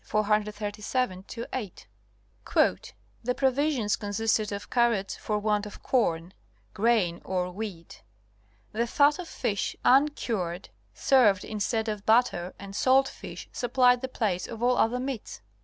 487 8. ''The provisions consisted of Carrots for want of Corn (=grain or wheat), the fat of Fish uncured served instead of Butter and salt fish supplied the place of all other meats."